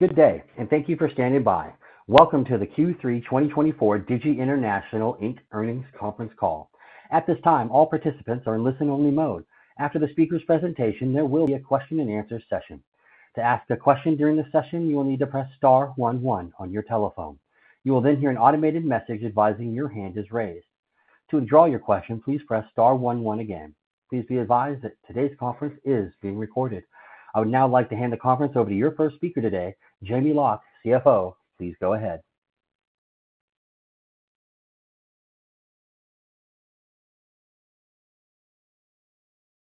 Good day, and thank you for standing by. Welcome to the Q3 2024 Digi International Inc. Earnings Conference Call. At this time, all participants are in listen-only mode. After the speaker's presentation, there will be a question-and-answer session. To ask a question during the session, you will need to press star one one on your telephone. You will then hear an automated message advising your hand is raised. To withdraw your question, please press star one one again. Please be advised that today's conference is being recorded. I would now like to hand the conference over to your first speaker today, Jamie Loch, CFO. Please go ahead.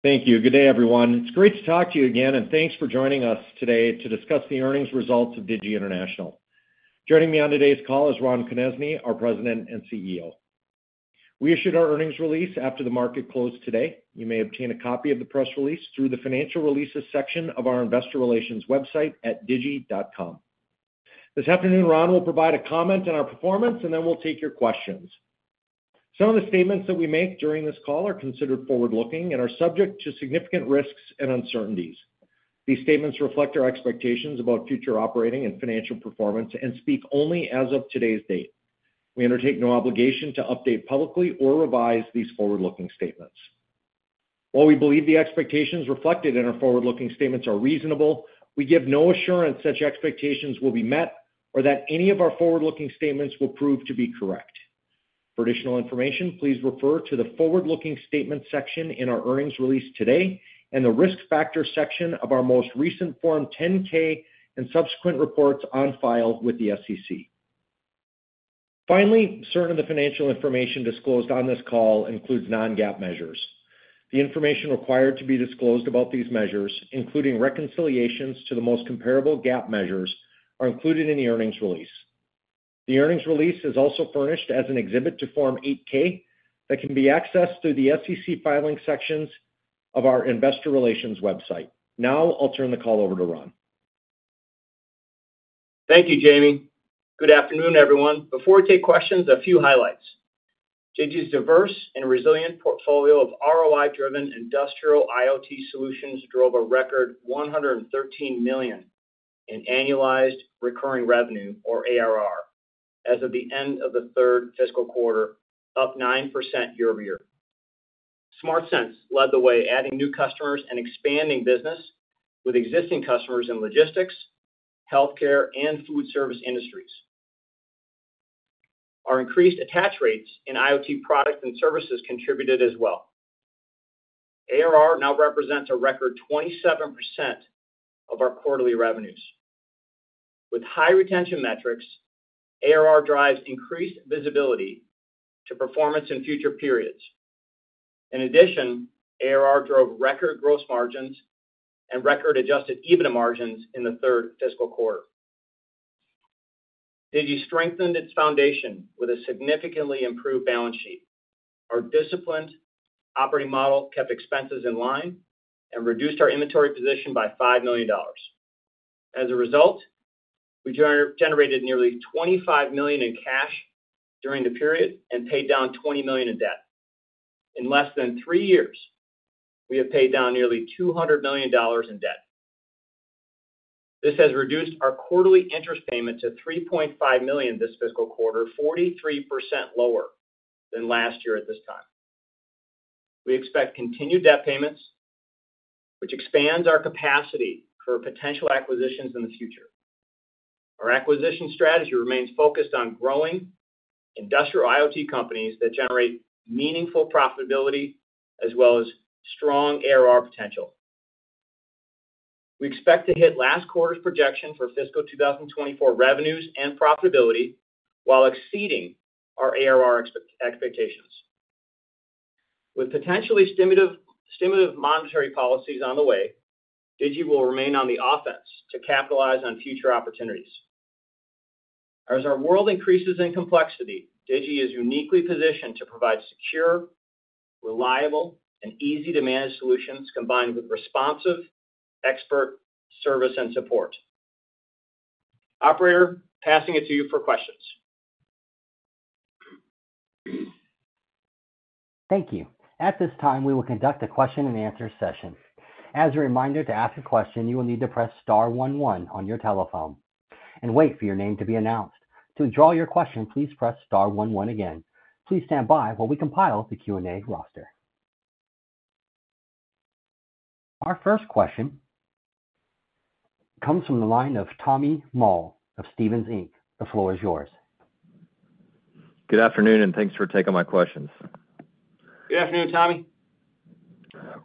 Thank you. Good day, everyone. It's great to talk to you again, and thanks for joining us today to discuss the earnings results of Digi International. Joining me on today's call is Ron Konezny, our President and CEO. We issued our earnings release after the market closed today. You may obtain a copy of the press release through the Financial Releases section of our investor relations website at digi.com. This afternoon, Ron will provide a comment on our performance, and then we'll take your questions. Some of the statements that we make during this call are considered forward-looking and are subject to significant risks and uncertainties. These statements reflect our expectations about future operating and financial performance and speak only as of today's date. We undertake no obligation to update publicly or revise these forward-looking statements. While we believe the expectations reflected in our forward-looking statements are reasonable, we give no assurance such expectations will be met or that any of our forward-looking statements will prove to be correct. For additional information, please refer to the Forward-Looking Statement section in our earnings release today and the Risk Factor section of our most recent Form 10-K and subsequent reports on file with the SEC. Finally, certain of the financial information disclosed on this call includes non-GAAP measures. The information required to be disclosed about these measures, including reconciliations to the most comparable GAAP measures, are included in the earnings release. The earnings release is also furnished as an exhibit to Form 8-K that can be accessed through the SEC Filings sections of our investor relations website. Now, I'll turn the call over to Ron. Thank you, Jamie. Good afternoon, everyone. Before we take questions, a few highlights. Digi's diverse and resilient portfolio of ROI-driven industrial IoT solutions drove a record $113 million in annualized recurring revenue, or ARR, as of the end of the third fiscal quarter, up 9% year-over-year. SmartSense led the way, adding new customers and expanding business with existing customers in logistics, healthcare, and food service industries. Our increased attach rates in IoT products and services contributed as well. ARR now represents a record 27% of our quarterly revenues. With high retention metrics, ARR drives increased visibility to performance in future periods. In addition, ARR drove record gross margins and record adjusted EBITDA margins in the third fiscal quarter. Digi strengthened its foundation with a significantly improved balance sheet. Our disciplined operating model kept expenses in line and reduced our inventory position by $5 million. As a result, we generated nearly $25 million in cash during the period and paid down $20 million in debt. In less than three years, we have paid down nearly $200 million in debt. This has reduced our quarterly interest payment to $3.5 million this fiscal quarter, 43% lower than last year at this time. We expect continued debt payments, which expands our capacity for potential acquisitions in the future. Our acquisition strategy remains focused on growing industrial IoT companies that generate meaningful profitability as well as strong ARR potential. We expect to hit last quarter's projection for fiscal 2024 revenues and profitability, while exceeding our ARR expectations. With potentially stimulative monetary policies on the way, Digi will remain on the offense to capitalize on future opportunities. As our world increases in complexity, Digi is uniquely positioned to provide secure, reliable, and easy-to-manage solutions, combined with responsive, expert service and support. Operator, passing it to you for questions. Thank you. At this time, we will conduct a question-and-answer session. As a reminder, to ask a question, you will need to press star one one on your telephone and wait for your name to be announced. To withdraw your question, please press star one one again. Please stand by while we compile the Q&A roster. Our first question comes from the line of Tommy Moll of Stephens Inc. The floor is yours. Good afternoon, and thanks for taking my questions. Good afternoon, Tommy.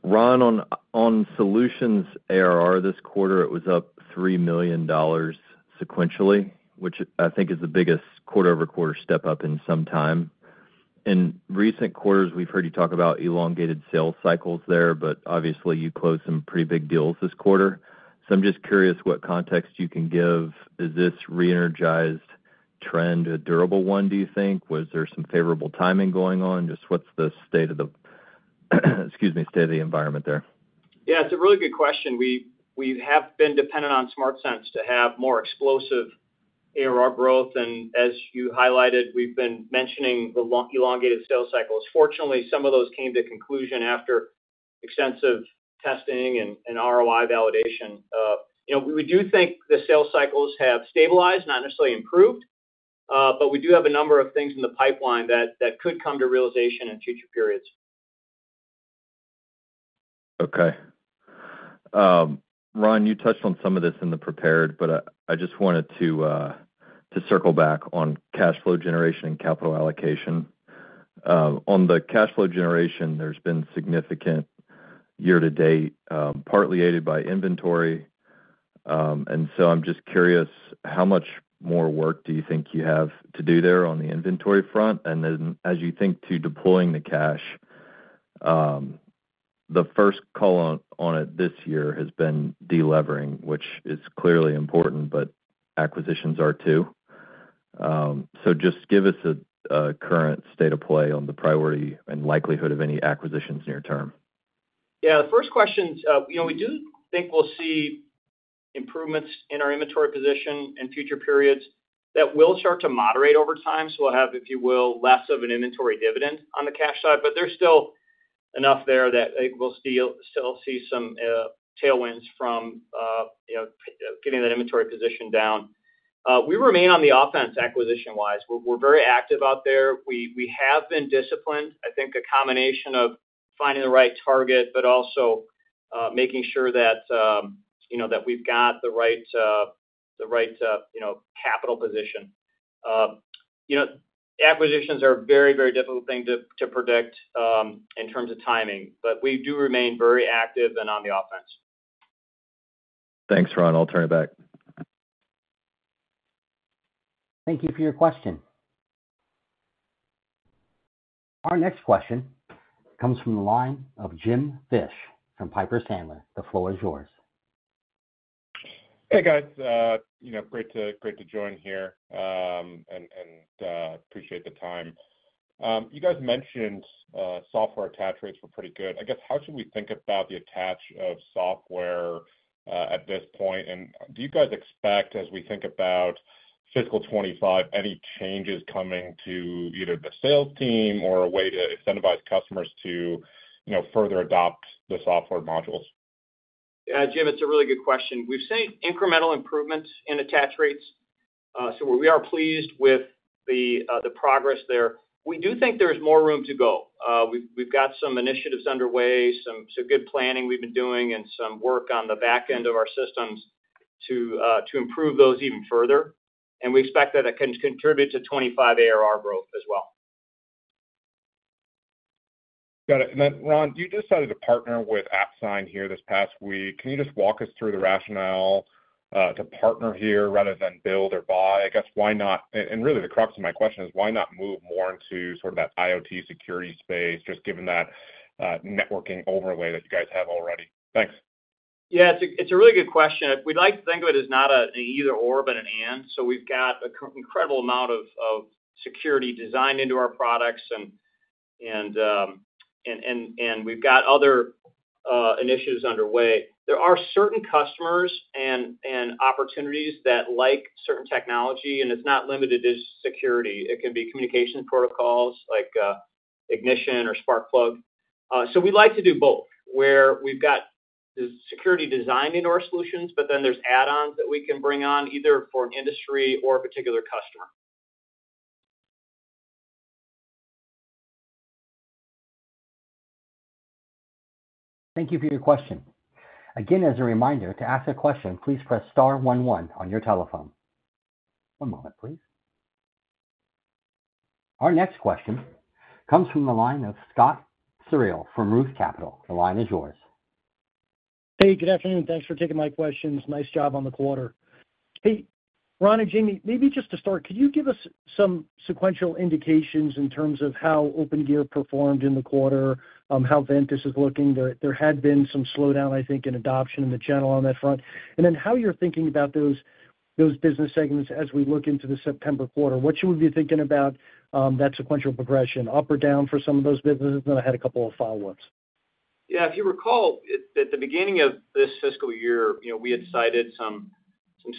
Ron, on solutions ARR this quarter, it was up $3 million sequentially, which I think is the biggest quarter-over-quarter step-up in some time. In recent quarters, we've heard you talk about elongated sales cycles there, but obviously you closed some pretty big deals this quarter. So I'm just curious what context you can give. Is this reenergized trend a durable one, do you think? Was there some favorable timing going on? Just what's the state of the, excuse me, state of the environment there? Yeah, it's a really good question. We, we have been dependent on SmartSense to have more explosive ARR growth, and as you highlighted, we've been mentioning the long, elongated sales cycles. Fortunately, some of those came to conclusion after extensive testing and, and ROI validation. You know, we do think the sales cycles have stabilized, not necessarily improved, but we do have a number of things in the pipeline that, that could come to realization in future periods. Okay. Ron, you touched on some of this in the prepared, but I just wanted to circle back on cash flow generation and capital allocation. On the cash flow generation, there's been significant year-to-date, partly aided by inventory. And so I'm just curious, how much more work do you think you have to do there on the inventory front? And then as you think to deploying the cash, the first call on it this year has been delevering, which is clearly important, but acquisitions are too. So just give us a current state of play on the priority and likelihood of any acquisitions near term. Yeah, the first question's, you know, we do think we'll see improvements in our inventory position in future periods that will start to moderate over time. So we'll have, if you will, less of an inventory dividend on the cash side, but there's still enough there that we'll still see some tailwinds from, you know, getting that inventory position down. We remain on the offense, acquisition-wise. We're very active out there. We have been disciplined, I think a combination of finding the right target, but also making sure that, you know, that we've got the right capital position. You know, acquisitions are a very, very difficult thing to predict in terms of timing, but we do remain very active and on the offense. Thanks, Ron. I'll turn it back. Thank you for your question. Our next question comes from the line of Jim Fish from Piper Sandler. The floor is yours. Hey, guys, you know, great to, great to join here, and appreciate the time. You guys mentioned, software attach rates were pretty good. I guess, how should we think about the attach of software, at this point? And do you guys expect, as we think about fiscal 25, any changes coming to either the sales team or a way to incentivize customers to, you know, further adopt the software modules? Jim, it's a really good question. We've seen incremental improvements in attach rates, so we are pleased with the progress there. We do think there's more room to go. We've got some initiatives underway, some good planning we've been doing and some work on the back end of our systems to improve those even further, and we expect that it can contribute to 25 ARR growth as well. Got it. And then, Ron, you decided to partner with Atsign here this past week. Can you just walk us through the rationale to partner here rather than build or buy? I guess, why not... And really the crux of my question is, why not move more into sort of that IoT security space, just given that, networking overlay that you guys have already? Thanks. Yeah, it's a really good question. We'd like to think of it as not an either/or, but an and. So we've got an incredible amount of security designed into our products and we've got other initiatives underway. There are certain customers and opportunities that like certain technology, and it's not limited to security. It can be communication protocols like Ignition or Sparkplug. So we'd like to do both, where we've got the security designed into our solutions, but then there's add-ons that we can bring on, either for an industry or a particular customer. Thank you for your question. Again, as a reminder, to ask a question, please press star one one on your telephone. One moment, please. Our next question comes from the line of Scott Searle from Roth Capital. The line is yours. Hey, good afternoon. Thanks for taking my questions. Nice job on the quarter. Hey, Ron and Jamie, maybe just to start, could you give us some sequential indications in terms of how Opengear performed in the quarter, how Ventus is looking? There had been some slowdown, I think, in adoption in the channel on that front. And then how you're thinking about those business segments as we look into the September quarter. What should we be thinking about, that sequential progression, up or down for some of those businesses? And then I had a couple of follow-ups. Yeah, if you recall, at the beginning of this fiscal year, you know, we had cited some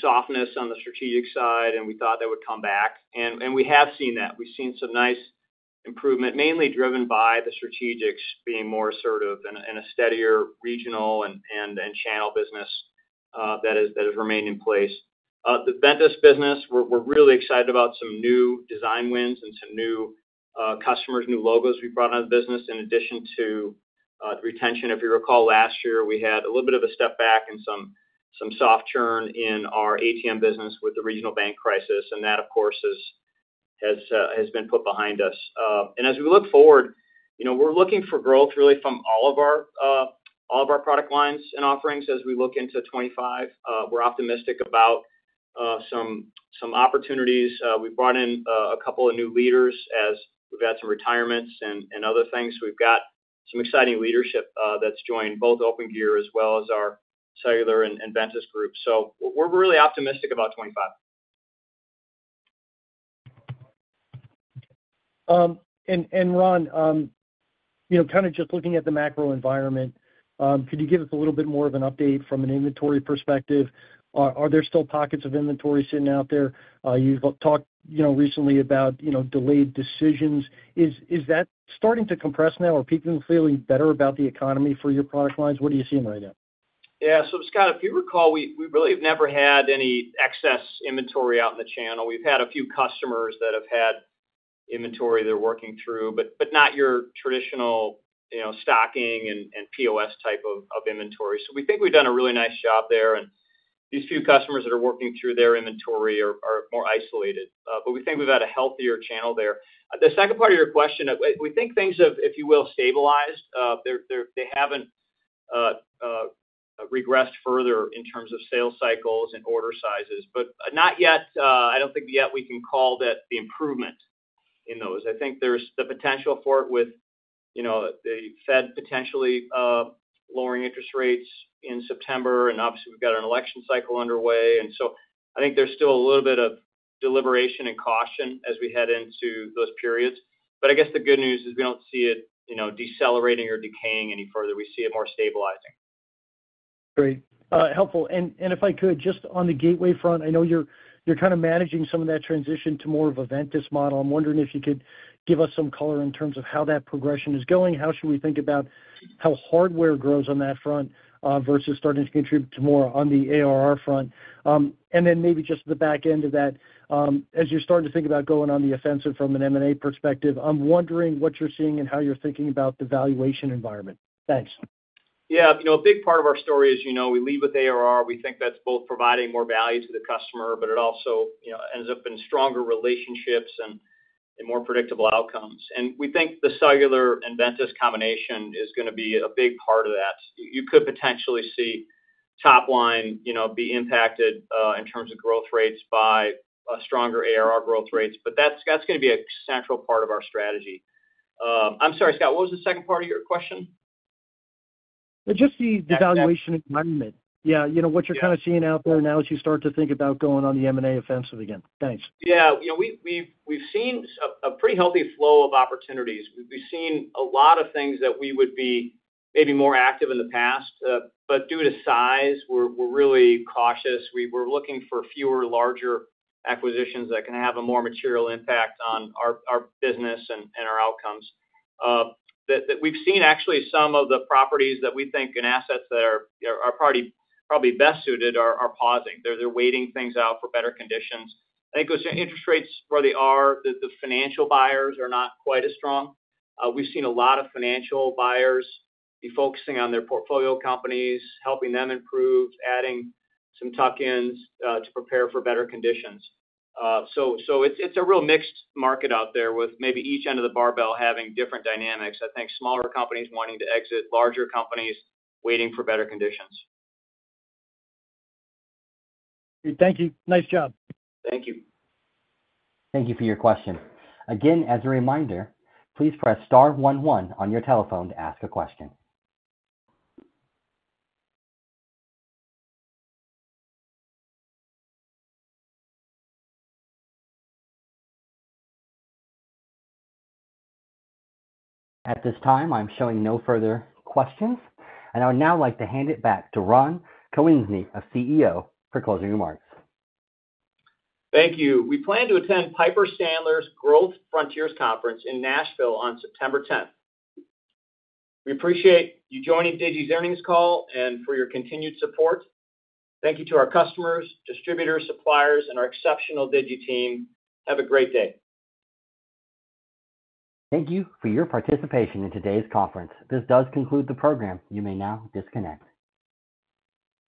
softness on the strategic side, and we thought that would come back, and we have seen that. We've seen some nice improvement, mainly driven by the strategics being more assertive and a steadier regional and channel business that has remained in place. The Ventus business, we're really excited about some new design wins and some new customers, new logos we've brought on the business, in addition to retention. If you recall, last year, we had a little bit of a step back and some soft churn in our ATM business with the regional bank crisis, and that, of course, has been put behind us. As we look forward, you know, we're looking for growth really from all of our, all of our product lines and offerings as we look into 2025. We're optimistic about, some, some opportunities. We've brought in, a couple of new leaders as we've had some retirements and, and other things. We've got some exciting leadership, that's joined both Opengear as well as our cellular and, and Ventus groups. We're, we're really optimistic about 2025.... and Ron, you know, kind of just looking at the macro environment, could you give us a little bit more of an update from an inventory perspective? Are there still pockets of inventory sitting out there? You've talked, you know, recently about, you know, delayed decisions. Is that starting to compress now? Are people feeling better about the economy for your product lines? What are you seeing right now? Yeah. So, Scott, if you recall, we really have never had any excess inventory out in the channel. We've had a few customers that have had inventory they're working through, but not your traditional, you know, stocking and POS type of inventory. So we think we've done a really nice job there, and these few customers that are working through their inventory are more isolated. But we think we've had a healthier channel there. The second part of your question, we think things have, if you will, stabilized. They're they haven't regressed further in terms of sales cycles and order sizes, but not yet, I don't think yet we can call that the improvement in those. I think there's the potential for it with, you know, the Fed potentially lowering interest rates in September, and obviously, we've got an election cycle underway. And so I think there's still a little bit of deliberation and caution as we head into those periods. But I guess the good news is we don't see it, you know, decelerating or decaying any further. We see it more stabilizing. Great. Helpful. And if I could, just on the gateway front, I know you're kind of managing some of that transition to more of a Ventus model. I'm wondering if you could give us some color in terms of how that progression is going. How should we think about how hardware grows on that front, versus starting to contribute to more on the ARR front? And then maybe just the back end of that, as you're starting to think about going on the offensive from an M&A perspective, I'm wondering what you're seeing and how you're thinking about the valuation environment. Thanks. Yeah. You know, a big part of our story is, you know, we lead with ARR. We think that's both providing more value to the customer, but it also, you know, ends up in stronger relationships and more predictable outcomes. And we think the cellular and Ventus combination is gonna be a big part of that. You could potentially see top line, you know, be impacted in terms of growth rates by a stronger ARR growth rates, but that's gonna be a central part of our strategy. I'm sorry, Scott, what was the second part of your question? Just the valuation environment. Yeah, you know, what you're kind of seeing out there now as you start to think about going on the M&A offensive again. Thanks. Yeah. You know, we've seen a pretty healthy flow of opportunities. We've seen a lot of things that we would be maybe more active in the past, but due to size, we're really cautious. We're looking for fewer, larger acquisitions that can have a more material impact on our business and our outcomes. That we've seen actually some of the properties that we think and assets that are probably best suited are pausing. They're waiting things out for better conditions. I think those interest rates where they are, the financial buyers are not quite as strong. We've seen a lot of financial buyers be focusing on their portfolio companies, helping them improve, adding some tuck-ins, to prepare for better conditions. So, it's a real mixed market out there, with maybe each end of the barbell having different dynamics. I think smaller companies wanting to exit, larger companies waiting for better conditions. Thank you. Nice job. Thank you. Thank you for your question. Again, as a reminder, please press star one one on your telephone to ask a question. At this time, I'm showing no further questions, and I would now like to hand it back to Ron Konezny, our CEO, for closing remarks. Thank you. We plan to attend Piper Sandler’s Growth Frontiers conference in Nashville on September tenth. We appreciate you joining Digi’s earnings call and for your continued support. Thank you to our customers, distributors, suppliers, and our exceptional Digi team. Have a great day. Thank you for your participation in today's conference. This does conclude the program. You may now disconnect.